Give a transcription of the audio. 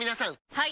はい！